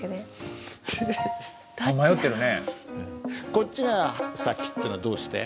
こっちが先っていうのはどうして？